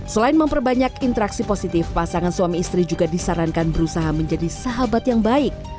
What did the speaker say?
selain memperbanyak interaksi positif pasangan suami istri juga disarankan berusaha menjadi sahabat yang baik